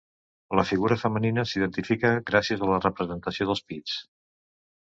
La figura femenina s'identifica gràcies a la representació dels pits.